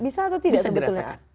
bisa atau tidak sebetulnya